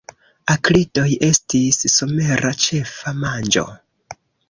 Akridoj estis somera ĉefa manĝo.